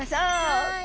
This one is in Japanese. はい。